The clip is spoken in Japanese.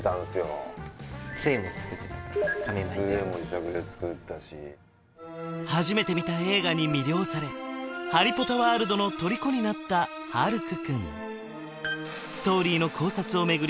杖も自作で作ったし初めて見た映画に魅了されハリポタワールドのとりこになった晴空君ストーリーの考察を巡り